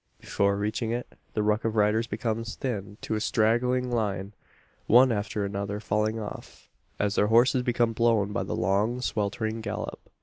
Before reaching it, the ruck of riders becomes thinned to a straggling line one after another falling off, as their horses become blown by the long sweltering gallop.